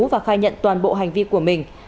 và khai nhận toàn bộ hành vi của mình